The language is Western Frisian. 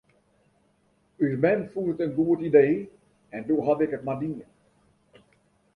Us mem fûn it in goed idee en doe haw ik it mar dien.